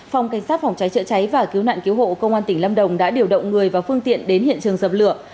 phòng cảnh sát phòng cháy chữa cháy và cứu nạn cứu hộ công an tỉnh lâm đồng đã điều động người và phương tiện đến hiện trường dập lửa